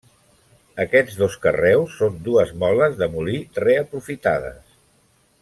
Aquests dos carreus són dues moles de molí reaprofitades.